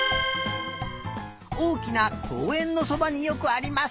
おおきなこうえんのそばによくあります。